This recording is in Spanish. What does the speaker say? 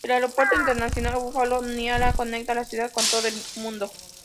El aeropuerto Internacional Buffalo Niagara conecta la ciudad con todo el mundo.